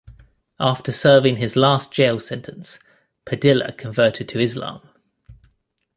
After serving his last jail sentence, Padilla converted to Islam.